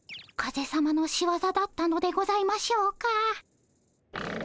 風さまのしわざだったのでございましょうか？